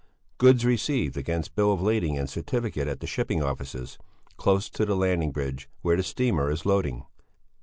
Goods received against bill of lading and certificate at the shipping offices close to the landing bridge where the steamer is loading.